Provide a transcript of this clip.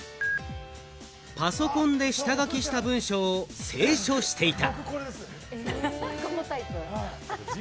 パソコンで下書きした文章を清書していた。